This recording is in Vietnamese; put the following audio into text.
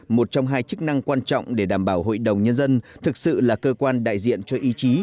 một trong hai chức năng quan trọng để đảm bảo hội đồng nhân dân thực sự là cơ quan đại diện cho ý chí